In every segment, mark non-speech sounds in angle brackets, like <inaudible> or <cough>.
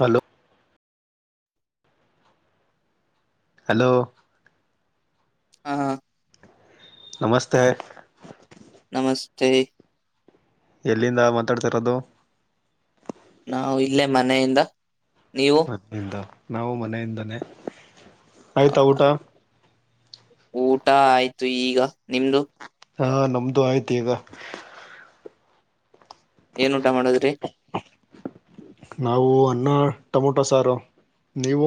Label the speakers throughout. Speaker 1: Hello hello
Speaker 2: ಹಾ
Speaker 1: ನಮಸ್ತೆ
Speaker 2: ನಮಸ್ತೆ
Speaker 1: ಎಲ್ಲಿಂದ ಮಾತಾಡ್ತಿರೋದು.
Speaker 2: ನಾವು ಇಲ್ಲೇ ಮನೆಯಿಂದ. ನೀವು
Speaker 1: ಮತನಿಂದ ನಾವು ಮನೆಯಿಂದನೇ ಆಯ್ತಾ
Speaker 2: ಹೌದಾ
Speaker 1: ಊಟ.
Speaker 2: ಊಟ ಆಯ್ತು ಈಗ ನಿಮ್ದು.
Speaker 1: ಹಾ ನಮ್ದು ಆಯ್ತು ಈಗ
Speaker 2: ಏನ್ ಊಟ ಮಾಡಿದ್ರಿ
Speaker 1: ನಾವು ಅನ್ನ ಟೊಮೊಟೊ ಸಾರು ನೀವು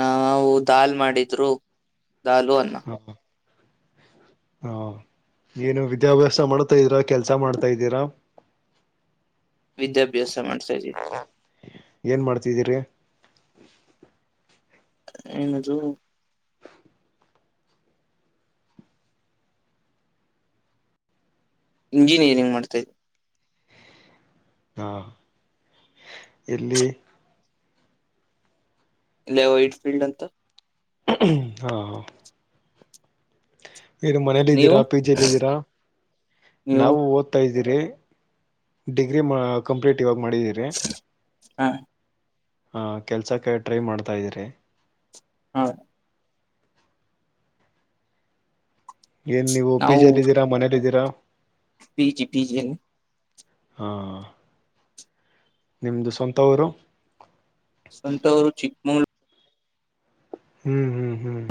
Speaker 2: ನಾವು ದಾಲ್ ಮಾಡಿದ್ರು ದಾಲು ಅನ್ನ
Speaker 1: ಅಧಖ <inaudible> ಹಾ ಏನು ವಿದ್ಯಾಭ್ಯಾಸ ಮಾಡ್ತಾ ಇದೀರಾ ಕೆಲ್ಸ ಮಾಡ್ತಾ ಇದ್ದೀರಾ. ಔನ <inaudible>
Speaker 2: ವಿದ್ಯಾಭ್ಯಾಸ. ಮಾಡ್ತಾ ಇದೀವಿ
Speaker 1: ಏನ್ ಮಾಡ್ತಿದ್ದೀರಿ.
Speaker 2: ಏನದು ಇಂಜಿನಿಯರಿಂಗ್ ಮಾಡ್ತ ಇದ್
Speaker 1: ಹಾ ಎಲ್ಲಿ
Speaker 2: ಇಲ್ಲೇ ವೈಟ್ ಫೀಲ್ಡ್ ಅಂತ
Speaker 1: ಹಾ ಹ ಏನು ಮನೇಲಿ
Speaker 2: ನೀವು
Speaker 1: ಇದಿದ್ದೀರಾ ಪಿ ಜಿಲ್ಲಿ ಇದಿದ್ದೀರಾ
Speaker 2: ನೀವು
Speaker 1: ನಾವು ಓದ್ತಾ ಇದ್ದೀರಿ ಡಿಗ್ರಿ ಕಂಪ್ಲೀಟ್ ಇವಾಗ ಮಾಡಿದ್ದೀರಿ
Speaker 2: ಹ
Speaker 1: ಹಾ ಕೆಲ್ಸಕ್ಕೆ ಟ್ರೈ ಮಾಡ್ತಾ ಇದ್ದೀರಿ
Speaker 2: ಹಾ
Speaker 1: ಏನ್ ನೀವು
Speaker 2: ನಾವು
Speaker 1: ಪಿಜಿ ಅಲ್ಲಿ ಇದಿದ್ದೀರ ಮನೇಲಿದಿರ
Speaker 2: ಪಿ ಜಿ ಪಿಜಿ ಅಲ್ಲಿ
Speaker 1: ಹಾ ನಿಮ್ದು ಸ್ವಂತ ಊರು
Speaker 2: ಸ್ವಂತವರು ಚಿಕ್ಕಮಂಗ್ಳೂರ್
Speaker 1: ಹ್ಮ್ ಹ್ಮ್ ಹ್ಮ್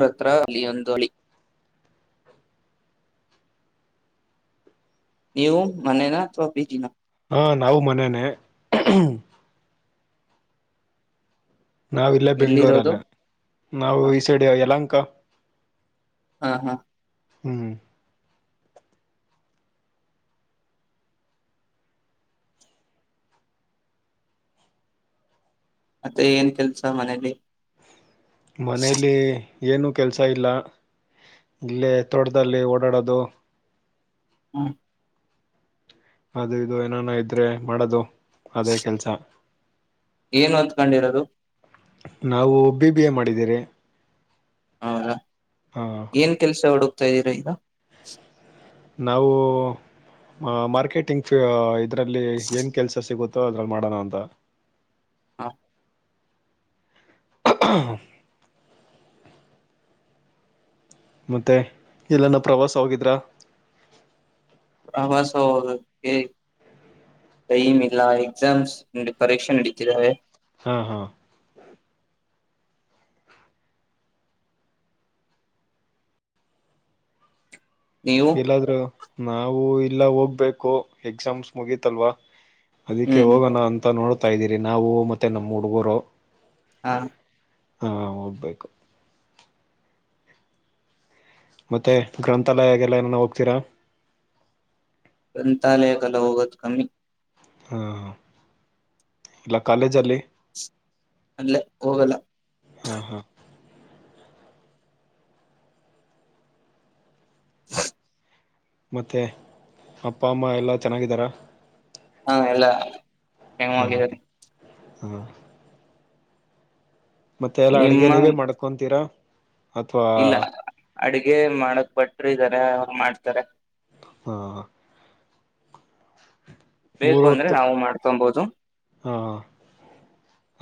Speaker 2: ಹತ್ರ ಒಂದು ಹಳ್ಳಿ ನೀವು ಮನೇನ ಅಥವಾ ಪಿ ಜಿ ನಾ
Speaker 1: ಹ ನಾವು ಮನೇನೆ ನಾವ ಇಲ್ಲೇ
Speaker 2: ಎಲ್ಲಿರೋದು
Speaker 1: ಬೆಂಗಳುರಲ್ಲೇ ನಾವು
Speaker 2: ಹ
Speaker 1: ಈ ಸೈಡ್ ಯಲಹಂಕ
Speaker 2: ಹಾ ಹಾ
Speaker 1: ಹ್ಮ್
Speaker 2: ಮತ್ತೆ ಏನ್ ಕೆಲ್ಸ ಮನೇಲಿ
Speaker 1: ಮನೇಲಿ ಏನೂ ಕೆಲಸ ಇಲ್ಲ ಇಲ್ಲೇ ತೋಟದಲ್ಲಿ ಓಡಾಡೋದು
Speaker 2: ಹ್ಮ
Speaker 1: ಅದು ಇದು ಏನಾನ ಇದ್ರೆ ಮಾಡದು ಅದೇ ಕೆಲ್ಸ
Speaker 2: ಏನು ಓದ್ಕೊಂಡಿರೋದು
Speaker 1: ನಾವು ಬಿ ಬಿ ಎ ಮಾಡಿದ್ದವೆ
Speaker 2: ಹೌದಾ ಏನ್ ಕೆಲ್ಸ ಹುಡುಕ್ತಾ ಇದ್ದೀರಾ ಈಗ
Speaker 1: ನಾವು ಮಾರ್ಕೆಟಿಂಗ್ ಇದ್ರಲ್ಲಿ ಏನ್ ಕೆಲ್ಸ ಸಿಗುತ್ತೆ ಅದ್ರಲ್ಲಿ ಮಾಡೋಣ ಅಂತ
Speaker 2: ಹಾ
Speaker 1: <inaudible> ಮತ್ತೆ ಎಲ್ಲಾನ ಪ್ರವಾಸ ಹೋಗಿದ್ರ
Speaker 2: ಪ್ರವಾಸ ಹೋಗಬೇಕು ಟೈಮ್ ಇಲ್ಲ ಎಕ್ಸಾಮ್ಸ್ ಪರೀಕ್ಷೆ ನಡೀತಿದ್ದಾವೆ
Speaker 1: ಹಾ ಹಾ
Speaker 2: ನೀವು
Speaker 1: ಎಲ್ಲಾದ್ರು ನಾವು ಇಲ್ಲಾ ಹೋಗ್ಬೇಕು ಎಕ್ಸಾಮ್ಸ್ ಮುಗೀತಲ್ವಾ ಅದಕ್ಕೆ
Speaker 2: ಹ್ಮ್
Speaker 1: ಹೋಗೋಣ ಅಂತ ನೋಡ್ತಾ ಇದ್ದೀರಿ ನಾವು ಮತ್ತೆ ನಮ್ಮ್ ಹುಡುಗರು
Speaker 2: ಹಾ
Speaker 1: ಹಾ ಹೋಗ್ಬೇಕು ಮತ್ತೆ ಗ್ರಂಥಾಲಯಾಗಲ್ಲ ಏನು ಹೋಗ್ತೀರಾ
Speaker 2: ಗ್ರಂಥಾಲಯ ಎಲ್ಲಾ ಹೋಗೋದು ಕಮ್ಮಿ
Speaker 1: ಹಾ ಇಲ್ಲ ಕಾಲೇಜ್ ಅಲ್ಲಿ
Speaker 2: ಅಲ್ಲೇ ಹೋಗಲ್ಲ
Speaker 1: ಹಾ ಹಾ
Speaker 2: ಹ
Speaker 1: ಮೆ ಅಪ್ಪ ಅಮ್ಮ ಎಲ್ಲ ಚೆನ್ನಾಗಿದ್ದಾರ
Speaker 2: ಹಾ ಎಲ್ಲ <unintelligible>
Speaker 1: ಹ್ಮ ಮತ್ತೆ ಎಲ್ಲ ಅಡುಗೆ
Speaker 2: ನಿಮ್ಮ
Speaker 1: ನೀವೇ ಮಾಡ್ಕೊತೀರಾ
Speaker 2: ಇಲ್ಲ ಅಡಗೆ ಮಾಡಕ್ ಬಟ್ರು ಇದಾರೆ ಮಾಡ್ತಾರೆ
Speaker 1: ಹಾ
Speaker 2: ಬೇಕು
Speaker 1: ಮೂರು
Speaker 2: ಅಂದ್ರೆ
Speaker 1: ಹೊತ್ತು
Speaker 2: ನಾವು ಮಾಡ್ಕೊಬಹುದು
Speaker 1: ಹ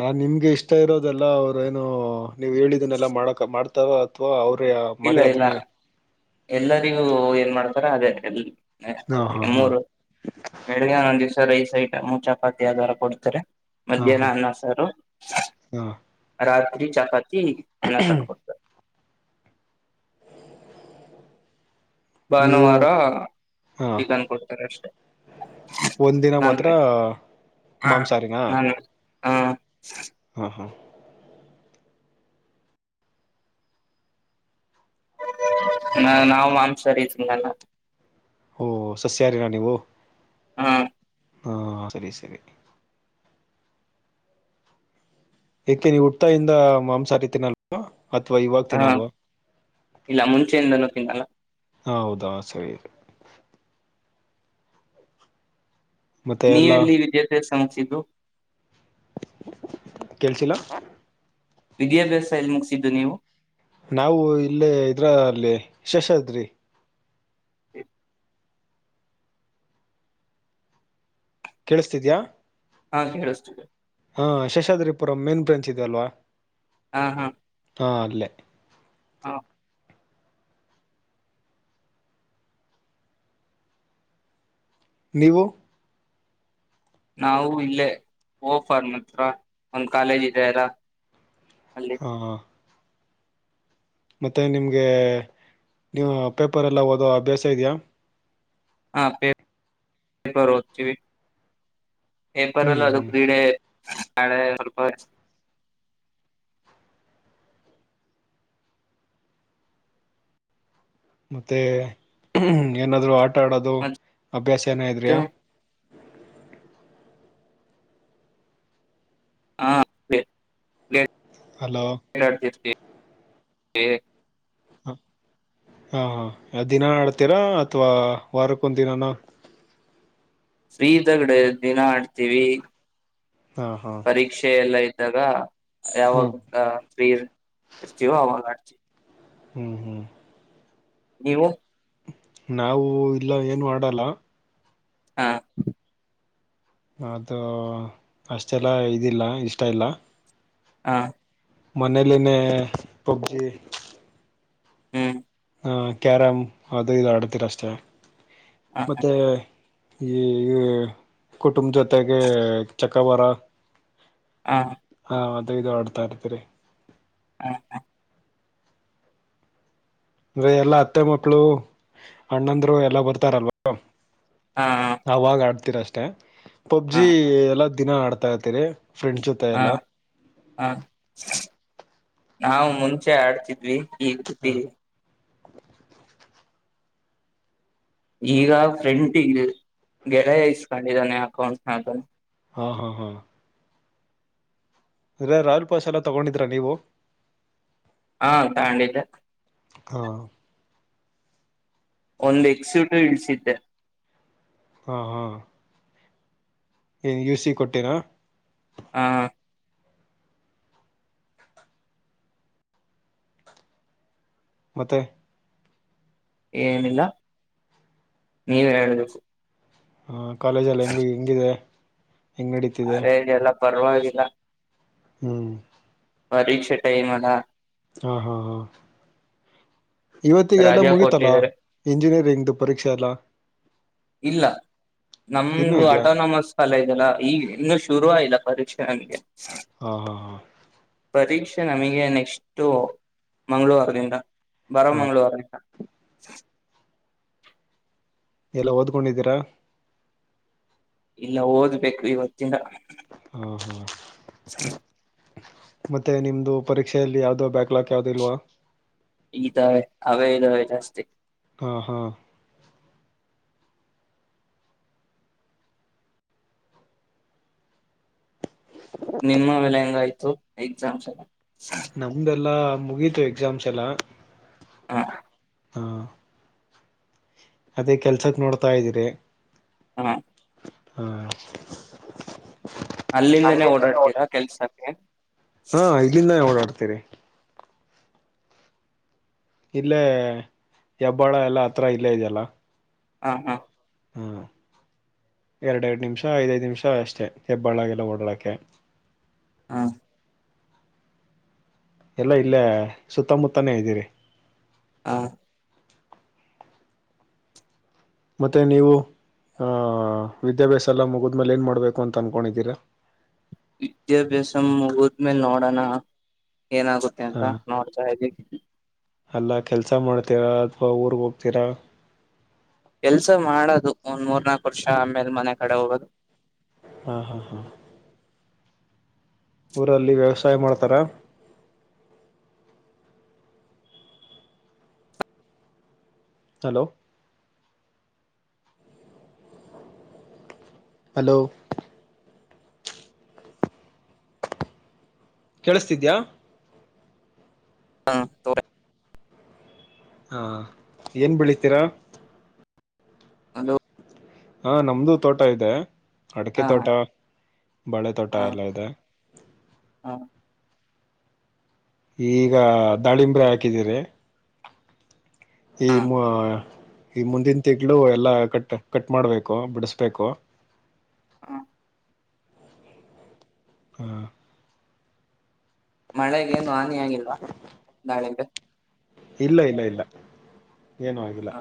Speaker 1: ಯಾವದ್ ನಿಮ್ಗೆ ಇಷ್ಟು ಇಷ್ಟ ಇರೋದೆಲ್ಲ ಅವರು ಏನು ನೀವು ಹೇಳಿದನ್ನೆಲ್ಲ ಮಾಡಕ ಮಾಡ್ತಾರ ಅಥವಾ ಅವರು
Speaker 2: ಇಲ್ಲ ಇಲ್ಲ ಎಲ್ಲರಿಗೂ ಏನ್ ಮಾಡ್ತಾರ ಅದೇ ಎಲ್ಲಿ
Speaker 1: ಹಾ ಹಾ ಹಾ
Speaker 2: ಮೂರು ಬೆಳಗೆ ಒಂದು ದಿವಸ ರೈಸ್ ಐಟಂ ಚಪಾತಿ ಅದೆಲ್ಲ ಕೊಡ್ತಾರೆ
Speaker 1: ಹಾ
Speaker 2: ಮಧ್ಯಾಹ್ನ
Speaker 1: ಹಾ
Speaker 2: ಅನ್ನ ಸಾರು
Speaker 1: ಹಾ
Speaker 2: ರಾತ್ರಿ ಚಪಾತಿ ಅಲ್ಲ ಸ ಕೊಡ್ತ
Speaker 1: ನೀವು
Speaker 2: ಭಾನುವಾರ ಚಿಕನ್ ಕೊಡ್ತಾರೆ ಅಷ್ಟೆ
Speaker 1: ಒಂದ ದಿನ ಮಾತ್ರ ಮಾಂಸಾರಿನ
Speaker 2: ನಾನು ಹಾ
Speaker 1: ಹಾ ಹಾ
Speaker 2: ನ ನಾವು ಮಾಂಸರ ತಿಂಗಲ್ಲ
Speaker 1: ಓ ಸಸ್ಯಾರಿ ರಾಣಿ ವ
Speaker 2: ಹಾ
Speaker 1: ಹಾ ಸರಿ ಸರಿ ಇತಿ ನೀ ಹುಟ್ಟತಾ ಇಿಂದ ಮಾಂಸ ಆಟತೀನಲ್ವಾ
Speaker 2: ಹಾ ಇಲ್ಲ ಮುಂಚೆಿಂದನೂ ತಿನ್ನಲ್ಲ
Speaker 1: ಹೌದಾ ಸರಿ ಇ ಮತ್ತೆ ಎಲ್ಲ
Speaker 2: ನೀವೆಲ್ಲಿ ವಿಜೇತೆ ಸಂಸಿದ್ದು
Speaker 1: ಕೇಳಿಸ
Speaker 2: ವಿದ್ಯಾಭ್ಯಾಸ ಎಲ್ಲಿ ಮುಗಿಸಿದ್ದು ನೀವು
Speaker 1: ನಾವು ಇಲ್ಲೇ ಇದ್ರ ಅಲ್ಲಿ ಶಶಾದ್ರಿ ಕೇಳಿಸತಿದ್ಯಾ
Speaker 2: ಹಾ ಕೇಳಷ್ಟತ
Speaker 1: ಹಾ ಶಶಾದ್ರಿಪುರಂ ಮೇನ್ ಬ್ರೆಂಚ್ ಇದೆಲ್ವಾ
Speaker 2: ಹಾ ಹಾ
Speaker 1: ಹ ಅಲ್ಲೇ
Speaker 2: ಹಾ
Speaker 1: ನೀವು
Speaker 2: ನಾವು ಇಲ್ಲೇ ಓಫರ್ ಮಾತ್ರ ಒಂದ್ ಕಾಲೇಜ್ ಇದ್ದಾರ
Speaker 1: ಹಾ ಹ ಮತ್ತೆ ನಿಮಗೆ ನೀವು ಪೇಪರೆ ಎಲ್ಲ ಓದೋ ಅಭ್ಯಾಸ ಇದೆಯಾ
Speaker 2: ಹಾ ಪೇಪರ್ತಿವಿ ಏಪರ್ಲ್ಲ
Speaker 1: ಹ್ಮ್
Speaker 2: ಅದು
Speaker 1: ಹ್ಮ್
Speaker 2: ಕ್ರೀಡೆ ಹಾಳ ಸ್ವಲ್ಪ
Speaker 1: ಮತ್ತೆ ಏನಾದ್ರು ಆಟ ಆಡೋದು
Speaker 2: ಮತ್ತೆ
Speaker 1: ಅಭ್ಯಾಸ ಏನ ಇದ್ರ್ಯಾ
Speaker 2: ಹಾ
Speaker 1: ಹಲೋ
Speaker 2: ಹ
Speaker 1: ಹಾ ಹಾ ಹಾ ದಿನ ಆಡ್ತೀರಾ ಅಥವಾ ವಾರಕ್ಕೊಂದ ದಿನಾನ
Speaker 2: ಸ್್ರೀದಗಡೆ ದಿನ ಆಡ್ತೀವಿ
Speaker 1: ಹಾ ಹಾ
Speaker 2: ಪರೀಕ್ಷೆ ಎಲ್ಲ ಇ ಇದ್ದಾಗ
Speaker 1: ಹ್ಮ್
Speaker 2: ಯಾವಾಗ ಸ್ತ್ರೀರ್ ಇರ್ತೀವೋ ಅವಾಗ ಆಡ್ತಿೀವಿ
Speaker 1: ಹ್ಮ್ ಹ್ಮ್
Speaker 2: ನೀವು
Speaker 1: ನಾವು ಇಲ್ಲ ಏನು ಆಡಲ್ಲ.
Speaker 2: ಹಾ.
Speaker 1: ಅದು ಅಷ್ಟೆಲ್ಲ ಇದಿಲ್ಲ ಇಷ್ಟ ಇಲ್ಲ.
Speaker 2: ಹಾ
Speaker 1: ಮನೆ ಲೈನೆ ಪಬ್ಜಿ
Speaker 2: ಹ್ಮ್
Speaker 1: ಆ ಕ್ಯಾರಮ್ ಅದು ಇದು ಆಡ್ತಿರ ಅಷ್ಟೆ
Speaker 2: ಹ
Speaker 1: ಮತ್ತೆ ಈ ಕುಟುಂಬ ಜೊತೆಗೆ ಚಕ್ಕವರ
Speaker 2: ಹ
Speaker 1: ನಾವ ಅದ ಇದು ಆಡ್ತಾ ಇರ್ತ್ರರಿ
Speaker 2: ಹಾ ಹ
Speaker 1: ಅಂದೆ ಎಲ್ಲಾ ಅತ್ತೆ ಮಕ್ಕಳು ಅಣ್ಣಂದ್ರು ಎಲ್ಲಾ ಬರ್ತಾರಲ್ವ
Speaker 2: ಹಾ
Speaker 1: ಅವಾಗ ಆಡ್ತೀರ ಅಷ್ಟೆ ಪಬ್ಜಿ
Speaker 2: ಹ
Speaker 1: ಎಲ್ಲ ದಿನ ಆಡ್ತಾ ಇರ್ತೀರಿ. ಫ್ರೆಂಡ್ಸ್ ಜೊತೆ
Speaker 2: ಹಾ
Speaker 1: ಎಲ್ಲ
Speaker 2: ಹಾ ನಾವ್ ಮುಂಚೆ ಆಡ್ತಿದ್ವಿ. <unintelligible> ಈಗ ಫ್ರಿಂಟಿಂಗ್ ಗೆಳೆಯ ಇಸ್ಕೊಂಡಿದಾನೆ ಅಕೌಂಟ್ನದು.
Speaker 1: ಹಾ ಹಾ ಹಾ. ಇ ರಾಯಲ್ಪಸ್ ಎಲ್ಲ ತಗೊಂಡಿದೀರಾ ನೀವು.
Speaker 2: ಹಾ ತಗಂಡಿದೆ.
Speaker 1: ಹಾ.
Speaker 2: ಒಂದ್ ಎಕ್ಸಿಟ್ಯೂ ಇಳ್ಸಿದ್ದೆ.
Speaker 1: ಹಾ ಹಾ. <unintelligible> ಕೊಟ್ಟೀರ.
Speaker 2: ಹಾ.
Speaker 1: ಮತ್ತೆ.
Speaker 2: ಏನಿಲ್ಲ ನೀವೆ ಹೇಳ್ಬೇಕು.
Speaker 1: ಹಾ ಕಾಲೇಜ ಎಲ್ಲ ಹೆಂಗು ಹೆಂಗಿದೆ. ಹೆಂಗ್ ನಡೀತಿದೆ.
Speaker 2: ಪರ್ವಾಗಿಲ್ಲ.
Speaker 1: ಹ್ಮ್.
Speaker 2: ಪರೀಕ್ಷೆ ಟೈಮ್ ಅಲಾ.
Speaker 1: ಹಾ ಹಾ ಹಾ. ಇವತ್ತಿಗೆ ಎಲ್ಲಾ
Speaker 2: ರಜಾ
Speaker 1: ಮುಗೀತಲ್ಲಾ
Speaker 2: ಕೊಟ್ಟಿದ್ದಾರೆ
Speaker 1: ಇಂಜಿನಿಯರಿಂಗ್ದು ಪರೀಕ್ಷೆ ಎಲ್ಲ.
Speaker 2: ಇಲ್ಲ
Speaker 1: ಇನ್ನೂ
Speaker 2: ನಮ್ದು
Speaker 1: ಇದೆಯಾ
Speaker 2: ಅಟೋನಮಸ್. ಕಾಲೇಜ್ ಅಲ ಈಗಿನ್ನೂ ಶುರು ಆಗಿಲ್ಲ ಪರೀಕ್ಷೆ ನಂಗೆ.
Speaker 1: ಹಾ ಹಾ ಹಾ.
Speaker 2: ಪರೀಕ್ಷೆ ನಮಿಗೆ ನೆಕ್ಸ್ಟ್ ಮಂಗಳವಾರದಿಂದ. ಬರೋ
Speaker 1: ಹಾ
Speaker 2: ಮಂಗಳವಾರ ಇಂದ.
Speaker 1: ಎಲ್ಲ ಓದ್ಕೊಂಡಿದ್ದೀರಾ.
Speaker 2: ಇಲ್ಲ ಓದ್ಬೇಕು ಇವತಿಂದ.
Speaker 1: ಹಾ ಹಾ.
Speaker 2: <unintelligible>
Speaker 1: ಮತ್ತೆ ನಿಮ್ದು ಪರೀಕ್ಷೆಯಲ್ಲಿ ಯಾವ್ದೋ ಬ್ಯಾಕ್ಲಾಕ್ ಯಾವ್ದು ಇಲ್ವಾ.
Speaker 2: ಇದಾವೆ ಅವೆ ಇದಾವೆ ಅಷ್ಟೆ.
Speaker 1: ಹಾ ಹಾ.
Speaker 2: ನಿಮ್ಮವೆೆಲ್ಲ ಹೆಂಗಾಯ್ತು ಎಕ್ಸಾಮ್ಸ್ ಎಲ್ಲ.
Speaker 1: ನಂದೆಲ್ಲ ಮುಗೀತು ಎಕ್ಸಾಮ್ಸ್ ಎಲ್ಲ.
Speaker 2: ಹಾ.
Speaker 1: ಹಾ. ಅದೇ ಕೆಲ್ಸಕ್ ನೋಡ್ತಾ ಇದಿರಿ.
Speaker 2: ಹ
Speaker 1: ಹಾ
Speaker 2: ಅಲ್ಲಿಂದನೇ ಓಡಾಡ್ತೀರಾ ಕೆಲ್ಸಕ್ಕೆ
Speaker 1: ಹಾ ಇಲ್ಲಿಂದನೆ ಓಡಾಡ್ತೀರಿ. ಇಲ್ಲೇ ಹೆಬ್ಬಾಳ ಎಲ್ಲ ಹತ್ರ ಇಲ್ಲೇ ಇದೆಯಲ್ಲ.
Speaker 2: ಹಾ ಹಾ.
Speaker 1: ಹ್ಮ. ಎರಡ್ ಎರಡ್ ನಿಮಿಷ ಐದೈದ್ ನಿಮಿಷ ಅಷ್ಟೇ ಹೆಬ್ಬಾಳಗೆಲ್ಲ ಓಡಾಡೋಕೆ.
Speaker 2: ಹಾ.
Speaker 1: ಎಲ್ಲಾ ಇಲ್ಲೇ ಸುತ್ತಮುತ್ತನೇ ಇದ್ದೀವಿ.
Speaker 2: ಹಾ.
Speaker 1: ಮತ್ತೆ ನೀವು. ಹ ವಿದ್ಯಾಭ್ಯಾಸ ಎಲ್ಲ ಮುಗುದ್ಮೇಲೆ ಏನ್ ಮಾಡ್ಬೇಕು ಅಂತ ಅನ್ಕೊಂಡಿದ್ದೀರಾ.
Speaker 2: ವಿದ್ಯಾಭ್ಯಾಸ ಮುಗದ್ಮೇಲೆ ನೋಡೋಣ ಏನಾಗುತ್ತೆ ಅಂತ
Speaker 1: ಹಾ
Speaker 2: ನೋಡ್ತಾ ಇದೀವಿ
Speaker 1: ಅಲ್ಲ ಕೆಲ್ಸ ಮಾಡ್ತೀರಾ ಅಥ್ವಾ ಊರ್ಗ ಹೋಗ್ತೀರಾ
Speaker 2: ಕೆಲ್ಸ ಮಾಡೋದು ಒಂದ್ ಮೂರ್ ನಾಕ್ ವರ್ಷ ಆದ ಮೇಲೆ ಮನೆ ಕಡೆ ಹೋಗೋದು
Speaker 1: ಹಾ ಹಾ ಹಾ ಊರಲ್ಲಿ ವ್ಯವಸಾಯ ಮಾಡ್ತಾರ ಹಲೋ ಹಲೋ ಕೇಳುಸತ್ತಿದ್ದೀಯಾ
Speaker 2: ಹಾ ತೋ
Speaker 1: ಹಾ ಹಾ ಏನ್ ಬೆಳಿತೀರಾ
Speaker 2: ಹಲೋ
Speaker 1: ಹಾ ನಮ್ದು ತೋಟ ಇದೆ ಅಡಕೆ
Speaker 2: ಹ
Speaker 1: ತೋಟ ಬಾಳೆ ತೋಟ ಎಲ್ಲ ಇದೆ
Speaker 2: ಹಾ
Speaker 1: ಈಗ ದಾಳಿಂಬ್ರೆ ಹಾಕಿದೀರಿ ಈ
Speaker 2: ಹ
Speaker 1: ಮ ಈಗ ಮುಂದಿನ ತಿಂಗಳು ಎಲ್ಲಾ ಕಟ್ ಕಟ್ ಮಾಡ್ಬೇಕು ಬಿಡಿಸಬೇಕು
Speaker 2: ಹಾ
Speaker 1: ಹಾ
Speaker 2: ಮಳೆಗೆ ಏನು ಹಾನಿಯಾಗಿಲ್ವಾ ದಾಳಿಂಬೆ
Speaker 1: ಇಲ್ಲ ಇಲ್ಲ ಇಲ್ಲ ಏನು ಆಗಿಲ್ಲ.
Speaker 2: ಹ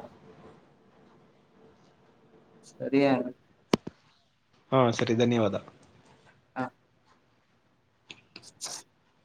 Speaker 2: ಸರಿಯಾನ?
Speaker 1: ಹಾ ಸರಿ ಧನ್ಯವಾದ
Speaker 2: ಹಾ <unintelligible>